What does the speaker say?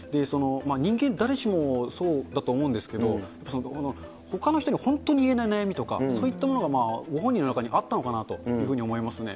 人間誰しもそうだと思うんですけれども、ほかの人に本当に言えない悩みとか、そういったものがご本人の中にあったのかなと思いますね。